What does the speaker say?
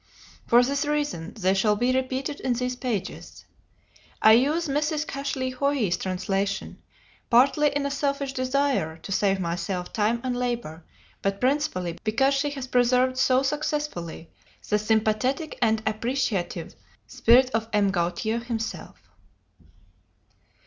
For this reason they shall be repeated in these pages. I use Mrs. Cashel Hoey's translation, partly in a selfish desire to save myself time and labor, but principally because she has preserved so successfully the sympathetic and appreciative spirit of M. Gautier himself.